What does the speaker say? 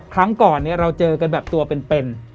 ครั้งก่อนเราเจอกันแบบตัวเป็น